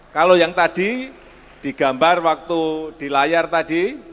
kalau yang tadi digambar waktu di layar tadi